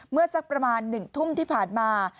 สักประมาณ๑ทุ่มที่ผ่านมา